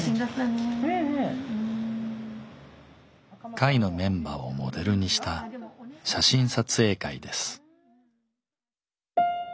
会のメンバーをモデルにした写真撮影会です。